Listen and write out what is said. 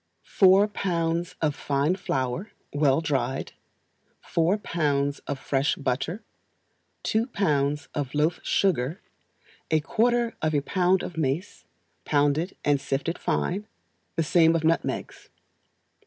Four pounds of fine flour, well dried; four pounds of fresh butter; two pounds of loaf sugar; a quarter of a pound of mace, pounded and sifted fine; the same of nutmegs.